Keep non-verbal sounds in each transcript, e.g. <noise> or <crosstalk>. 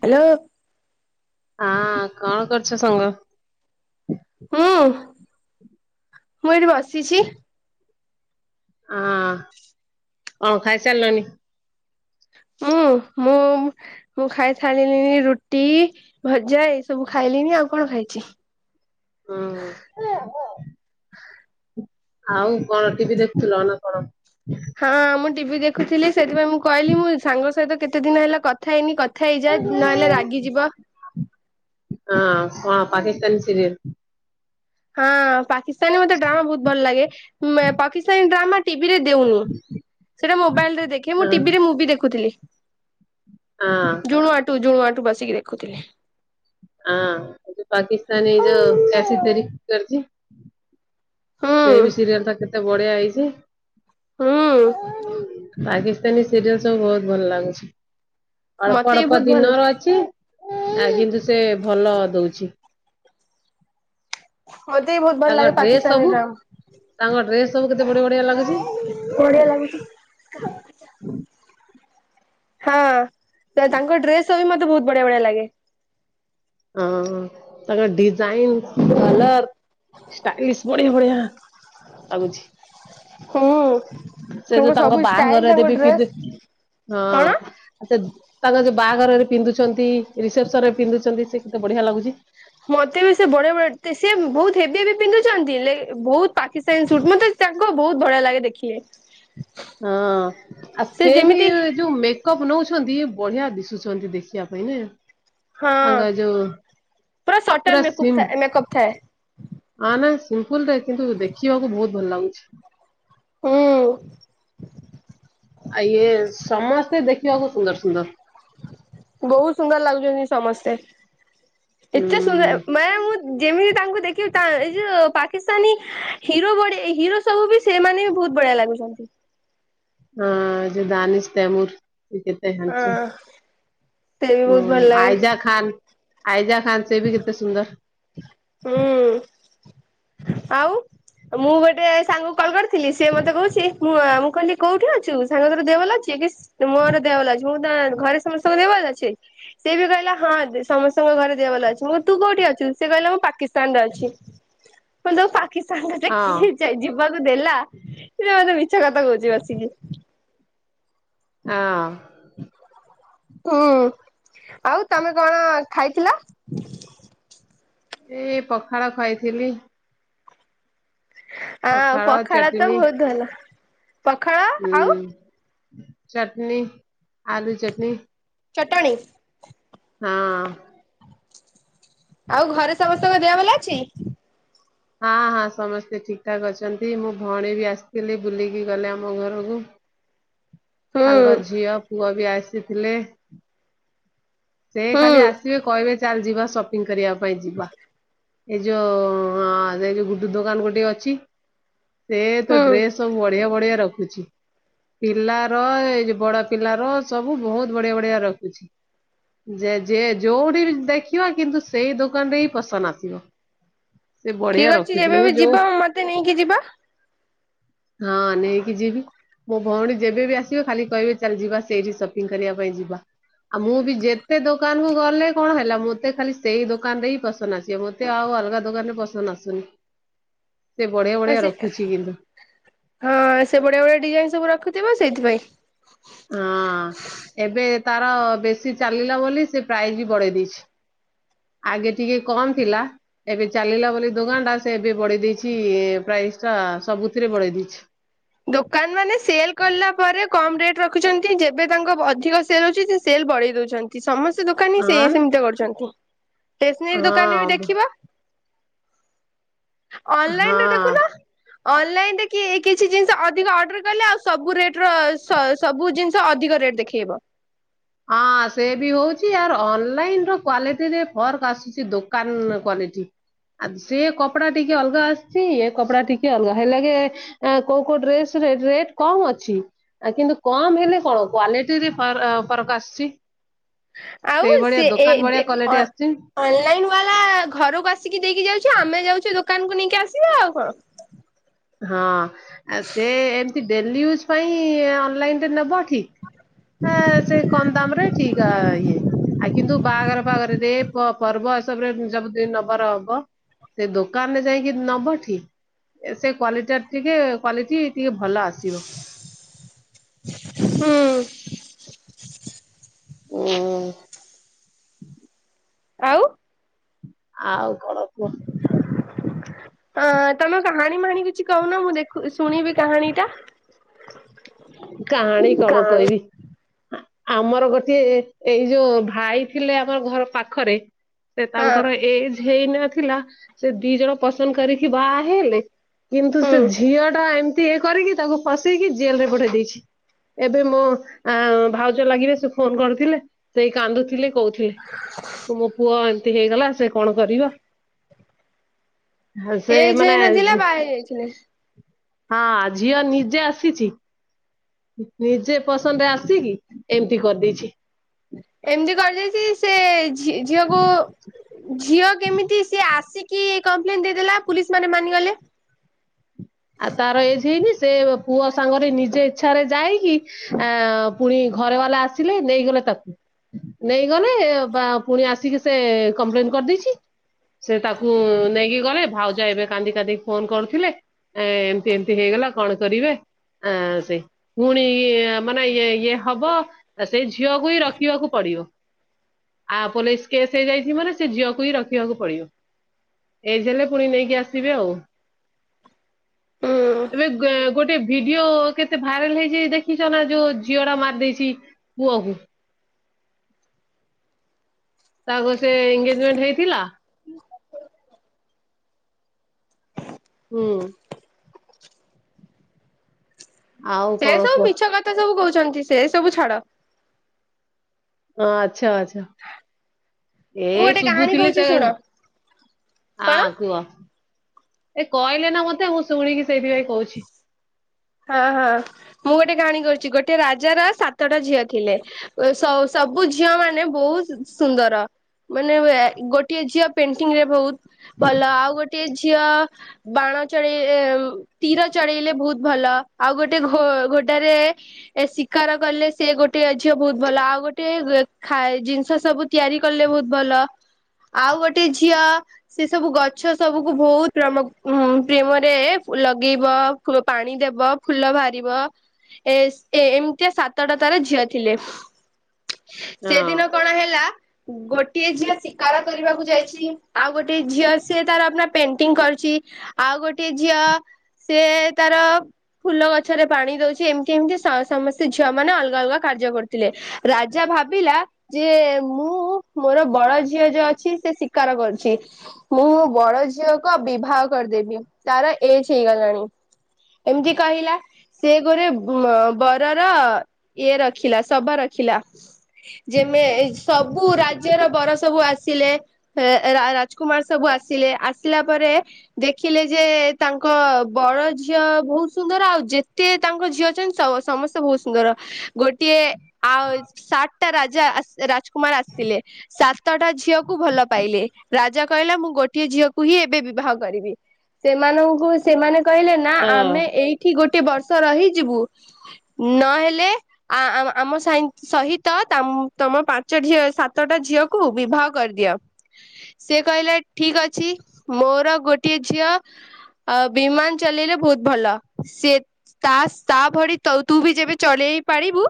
Hello. ହଁ କଣ କରୁଛ ସାଙ୍ଗ? ହୁଁ ମୁଁ ଏଇଠି ବସିଛି । ହଁ କଣ ଖାଇସାରିଲଣି? ହୁଁ ମୁଁ - ମୁଁ ଖାଇସାରିଲିଣି ରୁଟି ଭଜା ଏଇସବୁ ଖାଇଲିଣିି ଆଉ । କଣ ଖାଇଛି? ହଁ । ଆଉ କଣ ଟିଭି ଦେଖୁଥିଲ ନା କଣ? ହଁ ମୁଁ ଟିଭି ଦେଖୁଥିଲି ସେଥିପାଇଁ ମୁଁ କହିଲି ମୁଁ ସାଙ୍ଗ ସହିତ କେତେ ଦିନ ହେଲା କଥା ହେଇନି କଥା ହେଇଯାଏ ନହେଲେ ରାଗିଯିବ । ହଁ କଣ ପାକିସ୍ତାନୀ ସିରିଏଲ ହଁ ପାକିସ୍ତାନୀ ମତେ ଡ୍ରାମା ବହୁତ ଭଲ ଲାଗେ ପାକିସ୍ତାନୀ ଡ୍ରାମା ଟିଭି ରେ ଦେଉନି ସେଟା ମୋବାଇଲରେ ଦେଖେ ମୁଁ ହଁ ଟିଭିରେ ମୁଭି ଦେଖୁଥିଲି । ହଁ ଝୁଣୁଆଠୁ ଝୁଣୁଆଠୁ ବସିକି ଦେଖୁଥିଲେ । ହଁ ପାକିସ୍ତାନୀ ଯେ କସି ତର କରଛି <unintelligible> ସେ ହୁଁ ବି ସିରିଏଲ ଟା କେତେ ବଢ଼ିଆ ହେଇଛି । ହୁଁ । ପାକିସ୍ତାନୀ ସିରିଏଲ ସବୁ ବହୁତ ଭଲ ଲାଗୁଛି ଅଳ୍ପ ମତେ ବି ଅଳ୍ପ ବହୁତ ଭଲ ଦିନର ଅଛି ଆଜିଠୁ ସେ ଭଲ ଦଉଛି । ମତେ ବି ବହୁତ ଭଲ ତାଙ୍କ ଲାଗେ ଡ୍ରେସ୍ ପାକିସ୍ତାନୀ ସବୁ ଡ୍ରାମା ତାଙ୍କ ଡ୍ରେସ ସବୁ କେତେ ବଢ଼ିଆ- ବଢ଼ିଆ ଲାଗୁଛି ବଢିଆ ଲାଗୁଛି। । ହଁ ତାଙ୍କ ଡ୍ରେସ ବି ମତେ ବହୁତ ବଢ଼ିଆ - ବଢ଼ିଆ ଲାଗେ । ହଁ ତାଙ୍କର ଡିଜ୍ଜାଇନ୍ କଲର ଷ୍ଟାଈଲିସ ବଢିଆ ବଢିଆ ଲାଗୁଛି। ହୁଁ। ହୁଁ ସେ ଯୋଉ ତାଙ୍କ ସବୁ ଷ୍ଟାଇଲ ବାହାଘରରେ ତାଙ୍କ ବି ଡ୍ରେସ ପିନ୍ଧେ, ହଁ କଣ? ସେ ତାଙ୍କ ଯୋଉ ବାହାଘରରେ ପିନ୍ଧୁଛନ୍ତି, ରିସେପ୍ସନ ରେ ପିନ୍ଧୁଛନ୍ତି ସେ କେତେ ବଢିଆ ଲାଗୁଛି। ମତେ ବି ସେ ବଢିଆ ବଢଆ, ସିଏ ବହୁତ ହେବି ହେବି ପିନ୍ଧୁଛନ୍ତି ହେଲେ ବହୁତ ପାକିସ୍ତାନୀ ସୁଟ୍, ମତେ ତାଙ୍କ ବହୁତ ବଢିଆ ଲାଗେ ଦେଖିଲେ। ହଁ ଆ ସେ ବି ଜୋଉ ମେ ମେକଅପ୍ ନଉଛନ୍ତି ବଢିଆ ଦିଶୁଛନ୍ତି ଦେଖିବା ପାଇଁ ନୁହେଁ ନା? ହଁ ତାଙ୍ଗା ଯୋଉ ସଟଲ ପୁରା ମେକଅପ୍ ସିମ୍ପୁ ଥାଏ ମେକଅପ୍ ଥାଏ <unintelligible> ମ୍ପୁଲରେ କିନ୍ତୁ ଦେଖିବାକୁ ବହୁତ ଭଲ ଲାଗୁଛି। ହୁଁ। ଆ ଇଏ ସମସ୍ତେ ଦେଖିବାକୁ ସୁନ୍ଦର ସୁନ୍ଦର। ବହୁତ ସୁନ୍ଦର ଲାଗୁଛନ୍ତି ସମସ୍ତେ। ହୁଁ ଏତେ ସୁନ୍ଦର ମାନେ ମୁଁ ଯେମିତି ତାଙ୍କୁ ଦେଖିବ ତା ଏ ଯୋଉ ପାକିସ୍ତାନୀ ହିରୋ ଭଡି ହିରୋ ସବୁ ବି ସେମାନେ ବହୁତ ବଢିଆ ଲାଗୁଛନ୍ତି। ହଁ ଯେ ଦାନିସ ତେମୁର ସେ କେତେ ହଁ ସେ ବି ହାଣ୍ଡ୍ସମ ବହୁତ ଭଲ ହୁଁ ଲାଗେ। ଆଇଜା ଖାନ୍ ଆଇଜା ଖାନ୍ ସେ ବି କେତେ ସୁନ୍ଦର। ହୁଁ ଆଉ। ମୁଁ ଗୋଟେ ସାଙ୍ଗକୁ କଲ କରିଥିଲି, ସେଏ ମତେ କହୁଛି, ମୁଁ ମୁଁ କହିଲି କୋଉଠି ଅଛୁ ସାଙ୍ଗ ତୋର ଦେହ ଭଲ ଆଛି? ସି ମୋର ଦେହଭଲ ଅଛି, ମୁଁ ତ ଘରେ ସମସ୍ତଙ୍କ ଦେହଭଲ ଅଛି? ସେ ବି କହିଲା ହଁ ସମସ୍ତଙ୍କ ଘରେ ଦେହ ଭଲ ଅଛି, ମୁଁ କହିଲି ତୁ କୋଉଠି ଅଛୁ? ସେ କହିଲା ମୁଁ ପାକିସ୍ତାନ ରେ ଅଛି ମୁଁ କହିଲି ତୁ ପା କିସ୍ତାନ ତତେ ହଁ କିଏ ଯେ ଯିବାକୁ ଦେଲା ସେ ମତେ ମିଛ କଥା କହୁଛି ବସିକି। ଆ ଅଁ ହୁଁ, ଆଉ ତମେ କଣ ଖାଇଥିଲ? ଏ ପଖାଳ ଖାଇଥିଲି। ଆଁ ପଖାଳ ତ ବହୁତ ଭଲ। ପଖାଳ ଆଉ ହୁଁ ଚଟନି ଆଲୁ ଚଟନି। ଚଟଣି? ହଁ । ଆଉ ଘରେ ସମସ୍ତଙ୍କ ଦେହ ଭଲ ଅଛି? ହଁ ହଁ ସମସ୍ତେ ଠିକ ଠାକ୍ ଅଛନ୍ତି। ମୋ ଭଉଣୀ ବି ଆସିଥିଲେ ବୁଲିକି ଗଲେ ଆମ ଘରକୁ। ତାଙ୍କ ହୁଁ। ଝିଅ ପୁଅ ବି ଆସିଥିଲେ। ସେ ହୁଁ ଖାଲି ଆସିବେ, କହିବେ ଚାଲ ଯିବା ସପିଂ କରିବା ପାଇଁ ଯିବା। ଏଇ ଯୋଉ ହଁ ସେ ଯଉ ଗୁଡ଼ୁ ଦୋକାନ ଗୋଟିଏ ଅଛି, ସେ ତ ହୁଁ ଡ୍ରେସ ସବୁ ବଢିଆ ବଢିଆ ରଖୁ ଖୁଚି। ପିଲାର ଏଇ ଯୋ ବଡ ପିଲାର ସବୁ ବହୁତ ବଢିଆ ବଢିଆ ରଖିଛି। ଯେ ଯେ ଯୋଉଠି ବି ଦେଖିବ, କିନ୍ତୁ ସେଇ ଦୋକାନରେ ହିଁ ପସନ୍ ଆସିବ। ସେ ବଢିଆ ଠିକ୍ ଅଛି ରଖୁଛି ଯେବେ ମୁଁ ବି ଯୋଉ ଯିବା ମତେ ନେଇକି ଯିବା। ହଁ ନେଇକି ଯିବି। ମୋ ଭଉଣୀ ଯେବେ ବି ଆସିବେ, ଖାଲି କହିବେ ଚାଲ ଯିବା ସେଇଠି ସପିଙ୍ଗ କରିବା ପାଇଁ ଯିବା। ଆଉ ମୁଁ ବି ଯେତେ ଦୋକାନ କୁ ଗଲେ କଣ ହେଲା, ମତେ ଖାଲି ସେଇ ଦୋକାନ ରେ ହିଁ ପସନ୍ଦ ଆସିବ ମତେ ଆଉ ଅଲଗା ଦୋକାନରେ ପସନ୍ଦ ଆସୁନି। ସେ ବଢିଆ ଆ ବଢିଆ ସେ, ରଖୁଛି କିନ୍ତୁ ହଁ ସେ ବଢିଆ ବଢିଆ ଡିଜାଇନ ସବୁ ରଖୁଥିବ ସେଇଥିପାଇଁ। ବେଶି ଚାଲିଲା ବୋଲି ସେ ପ୍ରାଇଜ୍ ବି ବଢେଇ ଦେଇଛି। ଆଗେ ଟିକେ କମ ଥିଲା। ଏବେ ଚାଲିଲା ବୋଲି ଦୋକାନ ଟା ସେ ଏବେ ବଢେଇ ଦେଇେଇଛି ପ୍ରାଏ ଇଜ ଟା ସବୁଥିରେ ବଢେଇ ଦେଇଛି। ଦୋକାନ ମାନେ ସେଲ କଲା ପରେ କମ ରେଟ ରଖୁଛନ୍ତି ଯେବେ ତାଙ୍କ ଅଧିକ ସେଲ ଅଛି ସେଲ୍ ବଢେଇ ଦଉଛନ୍ତି ସମସ୍ତ ଦୋକାନୀ ସେ ହଁ ନା? ସେମିତି କରୁଛନ୍ତି। ଷ୍ଟେନାରୀ ଦୋକାନରେ ବି ହଁ ଦେଖିବ ଅନଲାଇନରେ ଦେଖୁନ ହଁ। ଅନଲାଇନରେ କିଏକି କିଛି ଜିନିଷ ଅଧିକ ଅର୍ଡର କଲେ ଆଉ ସବୁ ରେଟ ର ସ ସବୁ ଜିନିଷ ଅଧିକ ରେଟ ଦେଖେଇବ। ହଁ ସେ ବି ହଉଛି ଆର୍ ଅନଲାଇନ ର କ୍ଵାଲିଟିରେ ଫର୍କ ଆସୁଛି ଦୋକାନ କ୍ଵାଲିଟି। ଆ ସେ କପଡା ଟିକେ ଅଲଗା ଆସିଛି ଏ କପଡା ଟିକେ ଅଲଗା ହେଲାଗେ କୋଉ କୋଉ ଡ୍ରେସ ରେଟ କମ ଅଛି ଆ କିନ୍ତୁ କମ ହେଲେ କଣ କ୍ଵାଲିଟିରେ ଫ ଫରକ ଆସୁଛି। ଆଉ ସେଇଭଳିଆ ସିଏ ଦୋକାନ ଏ ଡେ ଭଳିଆ ଏ ଅ କ୍ୱାଲିଟି ଆସିଛି। ଅନଲାଇନ ବାଲା ଘରକୁ ଆସିକି ଦେଇକି ଯାଉଛୁ ଆମେ ଯାଉଛୁ ଦୋ ଦୋକାନକୁୁ ନେଇକି ଆସିବା ଆଉ କଣ। ହଁ ଆ ସେ ଏମତି ଡେଲି ୟୁଜ୍ ପାଇଁ ଅନଲାଇନରେ ନେବ ଠିକ୍ ଏ ସେ କମ ଦାମ ରେ ଠିକ ଇଏ ଆ କିନ୍ତୁ ବାହାଘର ଫାଘରରେ ଦେଇ ପର୍ବ ଏସବ ରେ ସବୁ ଦ ନବାର ହବ। ସେ ଦୋକାନରେ ଯାଇକି ନବ ଠିକି ସେ କ୍ଵାଲିଟା ଟିକେ କ୍ଵାଟି ଟିକେ ଭଲ ଆସିବ। ହୁଁ। <inaudible> ହୁଁ। ଆଉ। ଆଉ କଣ କୁହ? ହଁ ତମେ କାହାଣୀ ମାହାଣୀ କିଛି କହୁନ ମୁଁ ଦେଖ ଶୁଣିବି କାହାଣୀ ଟା କାହାଣୀ କଣ କାହାଣୀ କହିବି? ଆମର ଗୋଟିଏ ଏଇ ଯୋଉ ଭାଇ ଥିଲେ ଆମର ଘର ପାଖରେ ସେ ହଁ ତାଙ୍କର ଏଜ ହେଇନଥିଲା। ସେ ଦିଇ ଜଣ ପସନ୍ଦ କରିକି ବା ହେଲେ କିନ୍ତୁ ସେ ହୁଁ ଝିଅ ଟା ଏମିତି ଏ କରିକି ତାକୁ ଫସେଇକି ଜେଲ ରେ ପଠେଇ ଦେଇଚି। ଏବେ ମୋ ଆ ଭାଉଜ ଲାଗିବେ ସେ ଫୋନ କରଥିଲେ ସେଇ କାନ୍ଦୁଥିଲେ କହୁଥିଲେ। ତ ମୋ ପୁଅ ଏମତି ହେଇଗଲା ସେ କଣ କରିବ। ଆ ସେ ଏଜ ମାନେ ହେଇନଥିଲା ବାହା ହେଇ ଯାଇଥିଲେ। ହଁ ଝିଅ ନିଜେ ଆସିଚି। ନିଜେ ପସନ୍ଦରେ ଆସିକି ଏମିତି କରିଦେଇଛି। ଏମିତି କରିଦେଇଛି ସେ ଝି ଝିଅକୁ ଝିଅ କେମିତି ସିଏ ଆସିକି କପ୍ଲେନ ଦେଇଦଲା ପୋଲିସ ମାନେ ମାନିଗଲେ ଆଉ ତାର ଏଜ ହେଇନି ସେ ପୁଅ ସାଙ୍ଗରେ ନିଜେ ଇଚ୍ଛାରେ ଯାଇକି ଆ ପୁଣି ଘରେ ବାଲା ଆସିଲେ ନେଇଗଲେ ତାକୁ ନେଇଗଲେ ବା ପୁଣି ଆସିକି ସେ କମ୍ପ୍ଲେନ କରିଦେଇଚି ସେ ତାକୁ ନେଇକି ଗଲେ ଭାଉଜା ଏବେ କାନ୍ଦି କାନ୍ଦି ଫୋନ କରୁଥିଲେ। ଏ ଏମତି ଏମତି ହେଇଗଲା କଣ କରିବେ ଆ ସେ ପୁଣି ମାନେ ଇ ଇଏ ହବ ସେଇ ଝିଅକୁ ହିଁ ରଖିବାକୁ ପଡିବ। ଆ ପୋଲିସ କେସ୍ ହେଇଯାଚି ମାନେ ସେ ଝିଅକୁ ହି ରଖିବାକୁ ପଡିବ ଏଜ ହେଲେ ପୁଣି ନେଇକି ଆସିବେ ଆଉ। ହୁଁ ଏବେ ଗୋଟେ ଭିଡିଓ କେତେ ଭାଇରାଲ ହେଇଯାଇ ଦେଖିଚ ନା ଯୋଉ ଝିଅ ଟା ମାର ଦେଇଛି ପୁଅକୁ। ତାଙ୍କ ସେ ଏଗେଜମେଣ୍ଟ ହେଇଥିଲା। ହୁଁ। ଆଉ ସେ କଣ ସବୁ କୁହ ମିଛ କଥା ସବୁ କହୁଛନ୍ତି ସେ ସବୁ ଛାଡ। ହଁ ଆଛା ଆଛା। ଏ ମୁଁ ଗୋଟେ ଶୁଭୁ କାହାଣୀ ଥିଲେ କହୁଛି ସେ ଶୁଣ ଆ କଣ କୁହ? ଏ କହିଲେ ନା ମତେ ମୁଁ ଶୁଣିକି ସେଇଥିପାଇଁ କହୁଛି। ହଁ ହଁ ମୁଁ ଗୋଟେ କାହାଣୀ କରୁଚି। ଗୋଟେ ରାଜାର ସାତଟା ଝିଅ ଥିଲେ ସଉ ସବ ବୁ ଝିଅ ମାନେ ବହୁତ ସୁନ୍ଦର ମାନେ ଗୋଟିଏ ଝିଅ ପେଣ୍ଟିଂ ରେ ବହୁତ ଭଲ ଆଉ ଗୋଟେ ଝିଅ ବାଣ ଚଢେଇ ଏ ଉମ୍ମ ତୀର ଚଢେଇଲେ ବହୁତ ଭଲ ଆଉ ଗୋଟେ ଘୋ ଘୋଡାରେ ଶିକାର କଲେ ସେ ଗୋଟେ ଝିଅ ବହୁତ ଭଲ ଆଉ ଗୋଟେ ଖାଇ ଜିନିଷ ସବୁ ତିଆରି କଲେ ବହୁତ ଭଲ। ଆଉ ଗୋଟେ ଝିଅ ସେ ସବୁ ଗଛ ସବୁକୁ ବହୁତ ପ୍ରମ ଉଁ ପ୍ରେମରେ ଲଗେଇବ ଫୁ ପାଣି ଦେବ ଫୁଲ ବାହାରିବ ଏସ ଏ ଏମିତିଆ ସାତଟା ତାର ଝିଅ ଥିଲେ। ହ <inaudible> ସେ ଦିନ କଣ ହେଲା ଗୋଟିଏ ଝିଅ ଶିକାର କରିବାକୁ ଯାଇଛି ଆଉ ଗୋଟେ ହଝି ଆ ସେ ତାର ଅପ୍ନା ପେନସିଟିଙ୍ଗ ଆଉ ଗୋଟେ ଝିଅ ସେ ତାର ଫୁଲ ଗଛରେ ପାଣି ଦଉଛି ଏମିତି ଏମିତି ସା ସମସ୍ତେ ଝିଅ ମାନେ ଅଲଗା ଅଲଗା କାର୍ଯ୍ୟ କରୁଥିଲେ। ରାଜା ଭାବିଲା ଯେ ମୁଁ ମୋର ବଡ ଝିଅ ଯୋଉ ଅଛି ସେ ଶିକାର କରୁ ମୁଁ ବଡ ଝିଅକୁ ଆଉ ବିବାହ କରିଦେବି ତାର ଏଜ ହେଇଗଲାଣି। ଏମିତି କହିଲା ସେ ଗୋରେ ବରର ଇଏ ରଖିଲା ଶଭା। ରଖିଲା ଯେମେ ସବୁ ରାଜ୍ୟର ବର ସବୁ ଆସିଲେ ଏ ରାଜକୁମାର ସବୁ ଆସିଲେ ଆସିଲା ପରେ ଦେଖିଲେ ଯେ ତାଙ୍କ ବର ଝିଅ ବହୁତ ସୁନ୍ଦର ଆଉ ଯେତେ ତାଙ୍କ ଝିଅ ଅଛନ୍ତି ସମସ୍ତେ ବହୁତ ସୁନ୍ଦର ଗୋଟିଏ ଆଉ ସାତଟା ରାଜା ରାଜକୁମାର ଆସିଥିଲେ ସାତଟା ଝିଅକୁ ଭଲ ପାଇଲେ ରାଜା କହିଲା ମୁଁ ଗୋଟିଏ ଝିଅକୁ ହିଁ ଏବେ ବିବାହ କରିବି ସେମାନଙ୍କୁ ସେମାନେ କହିଲା ହଁ ଆମେ ଏଇଠି ଗୋଟେ ଗୋଟେ ବର୍ଷ ରହିଯିବୁ ନହେଲେ ଆ ଆମ ସାହିନ୍ତ୍ୟ ସହିତ ତମ ପାଞ୍ଚ ଝିଅ ସାତଟା ଝିଅକୁ ବିବାହ କରିଦିଅ। ସେ କହିଲେ ଠିକ ଅଛି ମୋର ଗୋଟିଏ ଝିଅ ଅ ବିମାନ ଚଲେଇଲେ ବହୁତ ଭଲ ସେ ତା ତା ଭଳି ତା ତୁ ବି ଯେବେ ଚଳେଇ ପାରିବୁ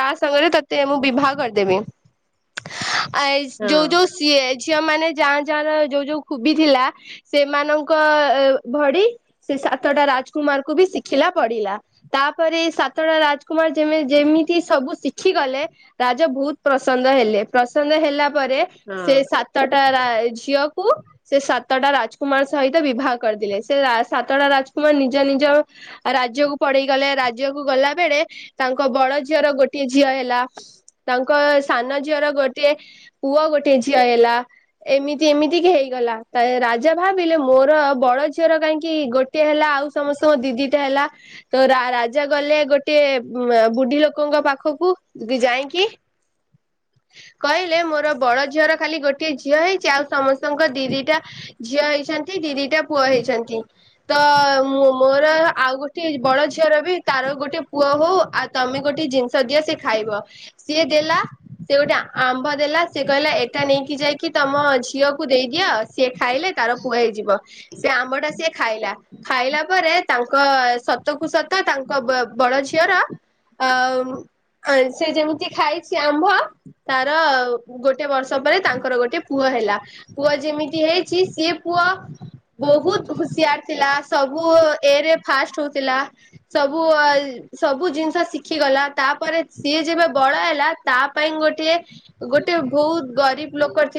ତା ସାଙ୍ଗରେ ତତେ ମୁଁ ବିବାହ କରିଦେବି। <inaudible> <unintelligible> ଆ ହଁ ଯୋଉ ଯୋଉ ସିଏ ଝିଅ ମାନେ ଯାଆଁ ଯାଁ ର ଯୋଉ ଯୋଉ ଖୁବି ଥିଲା ସେମାନଙ୍କ ଏ ଭଡ଼ି ସେ ସାତଟା ରାଜକୁମାର କୁ ବି ଶିଖିଲା ପଡିଲା ତାପରେ ସାତଟା ରାଜକୁମାର ଯେମି ଯେମିତି ସବୁ ଶିଖି ଗଲେ ରାଜା ବହୁତ ପ୍ରସନ୍ନ ହେଲେ ପ୍ରସନ୍ନ ହେଲା ପରେ ହଁ ସେ ସାତଟା ରା ଝିଅକୁ ସେ ସା ତଟା ରାଜକୁମାର ସହିତ ବିବାହ କରିଦେଲେ ସେ ରାଜ ସାତଟା ରାଜକୁମାର ନିଜ ନିଜ ରାଜ୍ୟକୁ ପଡେଇ ଗଲେ ରାଜ୍ୟକୁ ଗଲା ବେଳେ ତାଙ୍କ ବ ଝିଅର ଗୋଟେ ଝିଅ ହେଲା ତାଙ୍କ ସାନ ଝିଅର ଗୋଟେ ପୁଅ ଗୋଟେ ଝିଅ ହେ ଲା ଏମିତି ଏମିତି କି ହେଇଗଲା ରାଜା ଭାବିଲେ ମୋର ବଡ ଝିଅର କାହିଁକି କି ଗୋଟେ ହେଲା ଆଉ ସମସ୍ତଙ୍କ ଦି ଦିଟା ହେଲା ତ ରାଜା ଗଲେ ଗୋଟେ ଉଁ ବୁଢୀ ଲୋକଙ୍କ ପାଖକୁ ଯାଇଁକି <inaudible> କହିଲେ ମୋର ବଡ ଝିଅର ଖାଲି ଗୋଟିଏ ଝିଅ ହେଇଛି ଆଉ ସମସ୍ତଙ୍କ ଦିଦିଟା ଝିଅ ହେଇଛନ୍ତି ଦିଦି ଗୋଟେ ପୁଅ ହେଇଛନ୍ତି ତ ମୁଁ ମୋର ଆଉ ଗୋ ଗୋ ବଡ ଝିଅର ବି ତାର ଗୋଟେ ପୁଅ ହଉ ଆଉ ତମେ ଗୋଟେ ଜିନିଷ ଦିଅ ସିଏ ଖାଇବ ସିଏ ଦେଲା ସେ ଗୋଟେ ଆମ୍ବ ଦେଲା ସେ କହିଲା ଏଟା ନେଇକି ଯାଇକି ତମ ଝିଅକୁ ଦେଇଦିଅ ସିଏ ଖାଇଲେ ତାର ପୁଅ ହେଇଯିବ ସେ ଆମ୍ବଟା ସେ ଖାଇଲା ଖାଇଲା ପରେ ତାଙ୍କ ସତ କୁ ସତ ତାଙ୍କ ବ ବଡ ଝିଅର ଆ ଉଁ ସେ ଯେମିତି ଖାଇଛି ଆମ୍ବ ତାର ଗୋଟେ ବର୍ଷ ପାଇଁ ତାଙ୍କର ଗୋଟେ ପୁଅ ହେଲା ପୁଅ ଯେମିତି ହେଇଛି ସିଏ ପୁଅ ଅ ବହୁତ ଆ ଥିଲା ସବୁ ଏରେ ଫାଷ୍ଟ ହଉଥିଲା ସବୁ ଏ ସବୁ ଜିନିଷ ଶିଖିଗଲା ତାପରେ ସିଏ ଯେବେ ବଡ଼ ହେଲା ତା ପାଇଁ ଗୋଟିଏ ଗୋଟେ ବହୁତ ଗରିିବ ଲୋକ